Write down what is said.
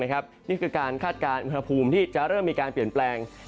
นี่คือการคาดการณ์อุณหภูมิที่จะเริ่มมีการเปลี่ยนแปลง